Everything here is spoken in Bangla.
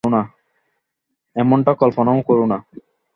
এমনটা কল্পনাও করো না।